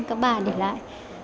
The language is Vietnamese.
các bà để lại